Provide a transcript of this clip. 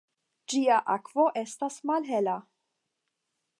Ĝia akvo estas malhela.